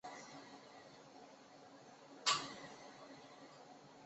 广东异型兰为兰科异型兰属下的一个种。